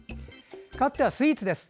かわってはスイーツです。